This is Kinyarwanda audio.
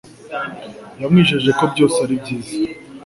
Yamwijeje ko byose ari byiza.